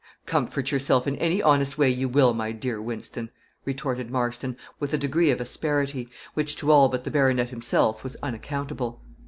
"Comfort yourself in any honest way you will, my dear Wynston," retorted Marston, with a degree of asperity, which, to all but the baronet himself, was unaccountable.